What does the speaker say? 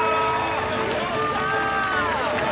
よっしゃー！